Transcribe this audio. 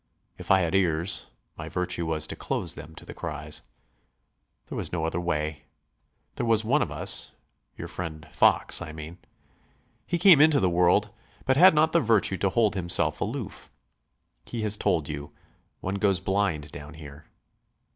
If I had ears, my virtue was to close them to the cries. There was no other way. There was one of us your friend Fox, I mean. He came into the world, but had not the virtue to hold himself aloof. He has told you, 'One goes blind down here.'